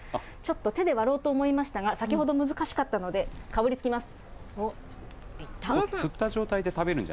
ちょっと手で割ろうと思いましたが、先ほど難しかったので、かぶりつきます。